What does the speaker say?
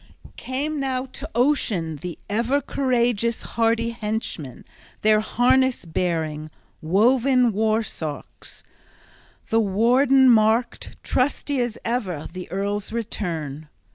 XXVII CAME now to ocean the ever courageous hardy henchmen, their harness bearing, woven war sarks. The warden marked, trusty as ever, the earl's return.